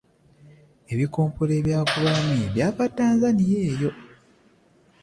Ebikompola ebyagoba Amini byava Tanzania eyo.